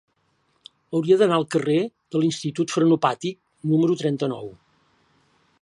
Hauria d'anar al carrer de l'Institut Frenopàtic número trenta-nou.